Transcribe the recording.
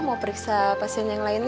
mau periksa pasien yang lain